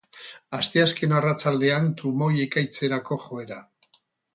Asteazken arratsaldean trumoi-ekaitzerako joera.